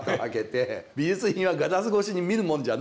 美術品はガラス越しに見るもんじゃないっていう